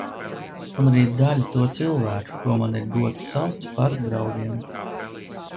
Un arī daļa to cilvēku, ko man ir gods saukt par draugiem.